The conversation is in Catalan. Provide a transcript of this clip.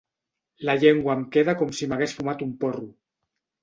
La llengua em queda com si m'hagués fumat un porro.